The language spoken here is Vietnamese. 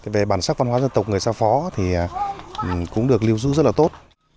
về bản sắc văn hóa dân tộc người xa phó thì cũng được lưu giữ rất là tốt